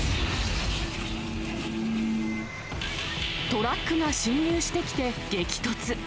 トラックが進入してきて激突。